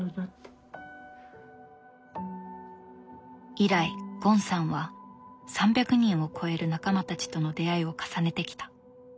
以来ゴンさんは３００人を超える仲間たちとの出会いを重ねてきた。